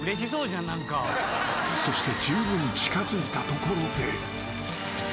［そしてじゅうぶん近づいたところで］